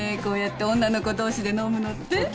こうやって女の子同士で飲むのって。